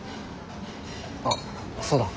あっそうだ。